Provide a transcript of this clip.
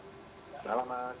selamat malam mas